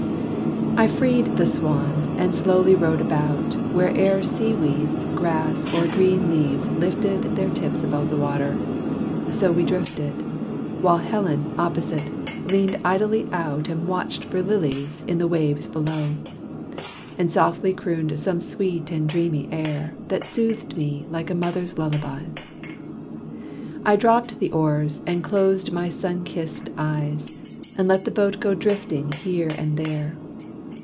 I freed the "Swan," and slowly rowed about, Wherever sea weeds, grass, or green leaves lifted Their tips above the water. So we drifted, While Helen, opposite, leaned idly out And watched for lilies in the waves below, And softly crooned some sweet and dreamy air, That soothed me like a mother's lullabies. I dropped the oars, and closed my sun kissed eyes, And let the boat go drifting here and there.